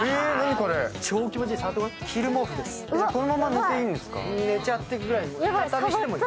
このまま寝ていいんですか。